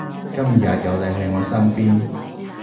今日有你喺我身邊